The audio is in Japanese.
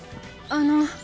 あの。